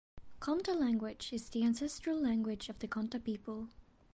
Konta language is the ancestral language of the Konta people.